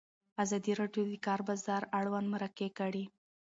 ازادي راډیو د د کار بازار اړوند مرکې کړي.